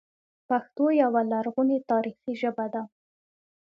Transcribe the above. پښتو یوه لرغونې تاریخي ژبه ده